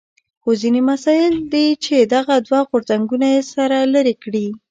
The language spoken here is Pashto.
خو ځینې مسایل دي چې دغه دوه غورځنګونه یې سره لرې کړي.